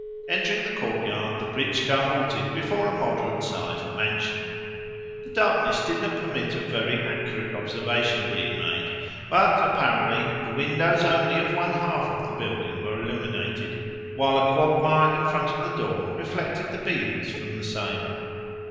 Entering the courtyard, the britchka halted before a moderate sized mansion. The darkness did not permit of very accurate observation being made, but, apparently, the windows only of one half of the building were illuminated, while a quagmire in front of the door reflected the beams from the same.